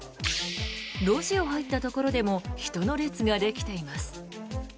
路地を入ったところでも人の列ができています。